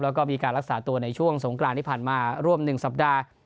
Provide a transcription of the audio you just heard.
แล้วก็มีการรักษาตัวในช่วงสงกรานที่ผ่านมาร่วม๑สัปดาห์